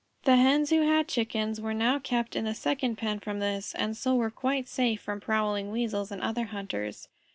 The Hens who had Chickens were now kept in the second pen from this, and so were quite safe from prowling Weasels and other hunters.